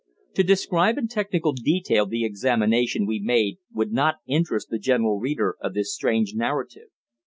To describe in technical detail the examination we made would not interest the general reader of this strange narrative.